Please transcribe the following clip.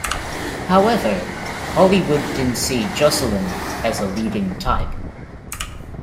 However, Hollywood didn't see Joslyn as a leading type.